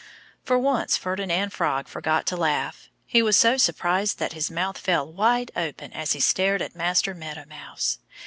For once Ferdinand Frog forgot to laugh. He was so surprised that his mouth fell wide open as he stared at Master Meadow Mouse.